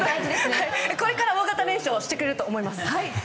これから大型連勝してくれると思います。